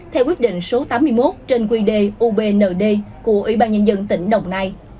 theo quyết định số tám mươi một trên quy đề ubnd của ủy ban nhân dân tỉnh đồng nai